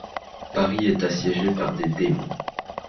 Paris est assiégée par des démons.